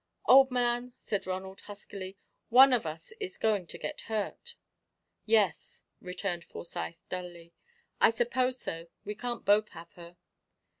"Old man," said Ronald, huskily, "one of us is going to get hurt." "Yes," returned Forsyth, dully, "I suppose so we can't both have her."